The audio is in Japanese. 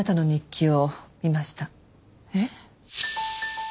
えっ？